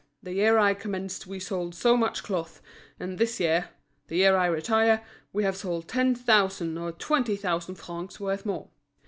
the year I commenced we sold so much cloth, and this year, the year I retire, we have sold ten thousand or twenty thousand francs' worth more.'